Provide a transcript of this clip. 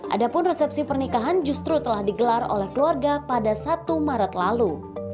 adapun resepsi pernikahan justru telah digelar oleh keluarga pada satu maret lalu